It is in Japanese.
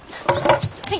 はい。